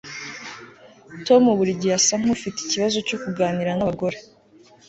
Tom buri gihe asa nkufite ikibazo cyo kuganira nabagore